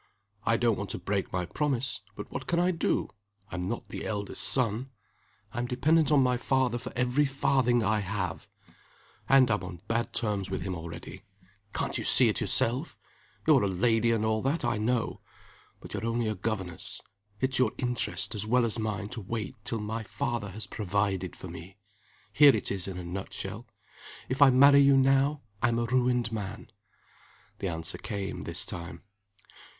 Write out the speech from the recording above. I don't want to break my promise; but what can I do? I'm not the eldest son. I'm dependent on my father for every farthing I have; and I'm on bad terms with him already. Can't you see it yourself? You're a lady, and all that, I know. But you're only a governess. It's your interest as well as mine to wait till my father has provided for me. Here it is in a nut shell: if I marry you now, I'm a ruined man." The answer came, this time.